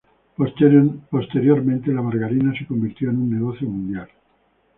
Posteriormente, la margarina se convirtió en un negocio mundial.